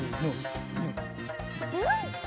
うん！